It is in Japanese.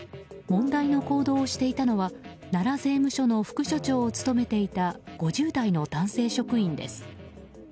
問題の行動をしていたのは奈良税務署の副署長を務めていた５０代の男性職員です。